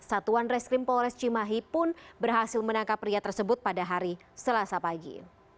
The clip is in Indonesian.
satuan reskrim polres cimahi pun berhasil menangkap pria tersebut pada hari selasa pagi